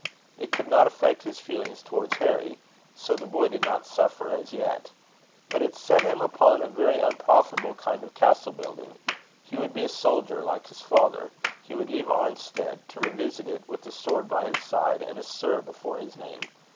It could not affect his feelings towards Harry; so the boy did not suffer as yet. But it set him upon a very unprofitable kind of castle building: he would be a soldier like his father; he would leave Arnstead, to revisit it with a sword by his side, and a Sir before his name.